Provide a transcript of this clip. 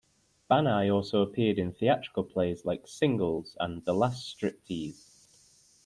Banai also appeared in theatrical plays like "Singles" and "The Last Striptease".